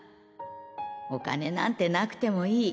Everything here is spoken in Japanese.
お金なんてなくてもいい。